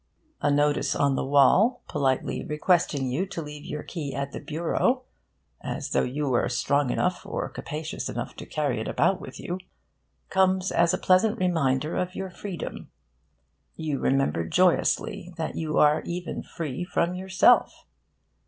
A notice on the wall, politely requesting you to leave your key at the bureau (as though you were strong enough or capacious enough to carry it about with you) comes as a pleasant reminder of your freedom. You remember joyously that you are even free from yourself.